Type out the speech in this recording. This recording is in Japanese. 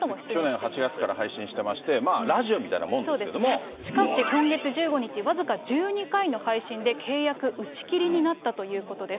去年８月から配信していまして、ラジオみたいなもんですけれそうですね、しかし今月１５日僅か１２回の配信で契約打ち切りになったということです。